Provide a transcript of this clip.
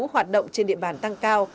hoạt động trên địa bàn tăng cao